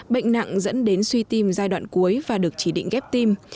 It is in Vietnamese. bệnh nặng dẫn đến suy tim giai đoạn cuối và được chỉ định ghép tim